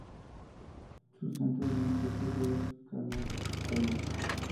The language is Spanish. Su centro administrativo es Kanevskaya.